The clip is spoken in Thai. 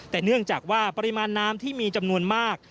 แต่เนื่องจากว่าปริมาณน้ำที่มีจำนวนมาก